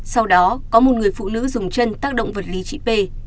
sau đó có một người phụ nữ dùng chân tác động vật lý chị p